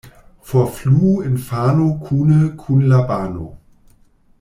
Forfluu infano kune kun la bano.